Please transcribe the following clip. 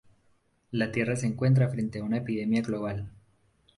La Tierra se encuentra frente a una epidemia global.